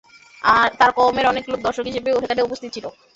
তার কওমের অনেক লোক দর্শক হিসেবে সেখানে উপস্থিত ছিল।